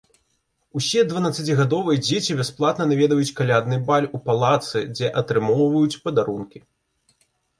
Усе дванаццацігадовыя дзеці бясплатна наведваюць калядны баль у палацы, дзе атрымоўваюць падарункі.